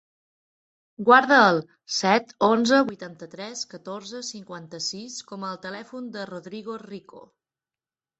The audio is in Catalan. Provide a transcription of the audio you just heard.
Guarda el set, onze, vuitanta-tres, catorze, cinquanta-sis com a telèfon del Rodrigo Rico.